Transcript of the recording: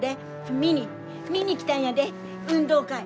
見に見に来たんやで運動会！